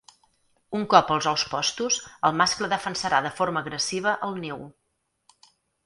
Un cop els ous postos el mascle defensarà de forma agressiva el niu.